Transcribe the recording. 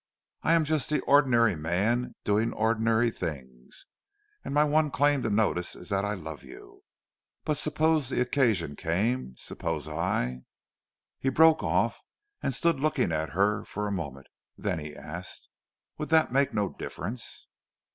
I am just the ordinary man doing the ordinary things, and my one claim to notice is that I love you! But suppose the occasion came? Suppose I ." He broke off and stood looking at her for a moment. Then he asked, "Would that make no difference?"